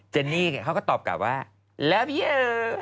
เจนี่เขาก็ตอบกลับว่าลับยู